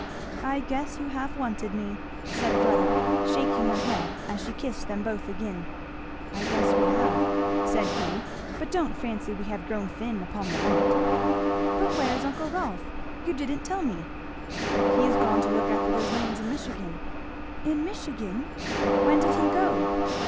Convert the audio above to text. "I guess you have wanted me!" said Fleda, shaking her head as she kissed them both again. "I guess we have," said Hugh, "but don't fancy we have grown thin upon the want." "But where's uncle Rolf? you didn't tell me." "He is gone to look after those lands in Michigan." "In Michigan! When did he go?"